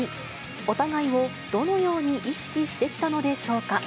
お互いをどのように意識してきたのでしょうか。